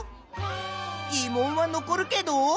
ぎ問は残るけど。